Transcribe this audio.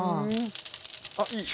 あっいい。